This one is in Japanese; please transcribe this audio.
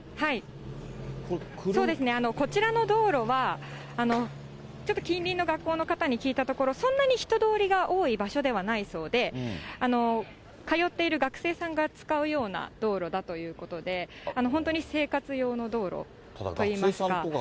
こちらの道路は、ちょっと近隣の学校の方に聞いたところ、そんなに人通りが多い場所ではないそうで、通っている学生さんが使うような道路だということで、本当に生活用の道路といいますか。